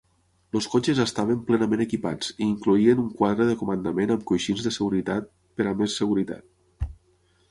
Els cotxes estaven plenament equipats i incloïen un quadre de comandament amb coixins de seguretat per a més seguretat.